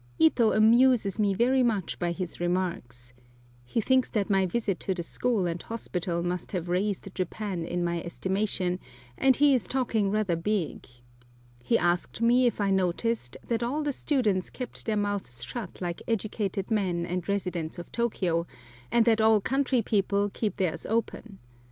Ito amuses me very much by his remarks. He thinks that my visit to the school and hospital must have raised Japan in my estimation, and he is talking rather big. He asked me if I noticed that all the students kept their mouths shut like educated men and residents of Tôkiyô, and that all country people keep theirs open.